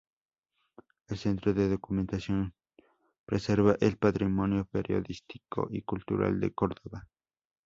El Centro de Documentación preserva el patrimonio periodístico y cultural de Córdoba.